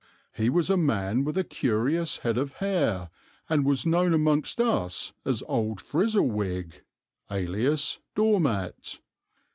He was a man with a curious head of hair, and was known amongst us as 'Old Frizzlewig,' alias 'Door mat.'